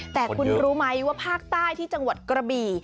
แต่คุณรู้ไหมว่าภาคใต้ที่จังหวัดกระบี่